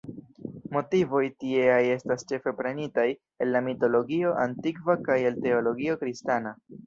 Motivoj tieaj estas ĉefe prenitaj el la mitologio antikva kaj el teologio kristana.